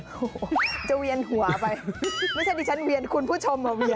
โอ้โหจะเวียนหัวไปไม่ใช่ดิฉันเวียนคุณผู้ชมมาเวียน